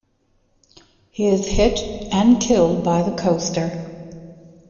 He is hit and killed by the coaster.